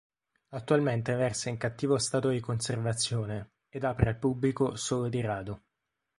Attualmente versa in cattivo stato di conservazione ed apre al pubblico solo di rado.